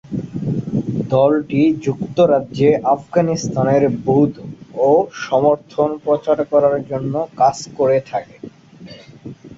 দলটি যুক্তরাজ্যে আফগানিস্তানের বোধ ও সমর্থন প্রচার করার জন্য কাজ করে থাকে।